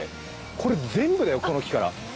これ全部だよ、この木から。